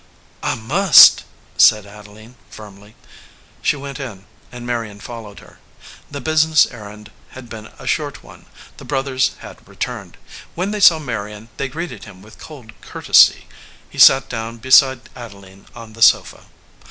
"I must," said Adeline, firmly. She went in, and Marion followed her. The business errand had been a short one, the brothers had returned. When they saw Marion they greeted him with cold courtesy. He sat down beside Adeline on the sofa.